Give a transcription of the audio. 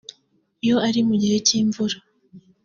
iyo ari mu gihe cy’imvura